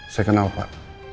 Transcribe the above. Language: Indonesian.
saya kenal pak